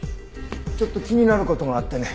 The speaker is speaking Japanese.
ちょっと気になる事があってね。